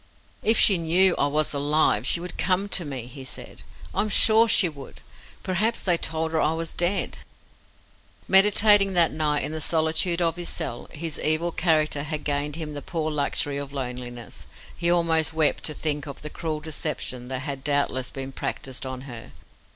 "If she knew I was alive, she would come to me," he said. "I am sure she would. Perhaps they told her that I was dead." Meditating that night in the solitude of his cell his evil character had gained him the poor luxury of loneliness he almost wept to think of the cruel deception that had doubtless been practised on her.